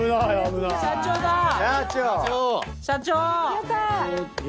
やった！